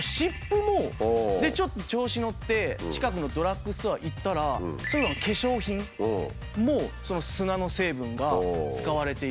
ちょっと調子乗って近くのドラッグストアに行ったら化粧品も砂の成分が使われていて。